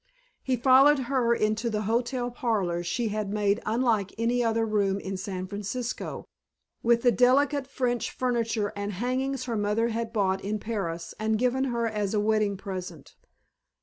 He followed her into the hotel parlor she had made unlike any other room in San Francisco, with the delicate French furniture and hangings her mother had bought in Paris and given her as a wedding present.